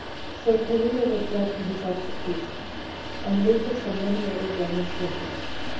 So Cherea was led to his execution, and Lupus and many other Romans with him.